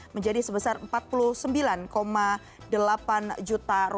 menjadi sebesar rp empat puluh sembilan delapan juta